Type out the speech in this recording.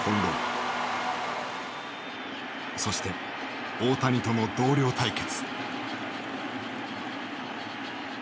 そして大谷との同僚対決。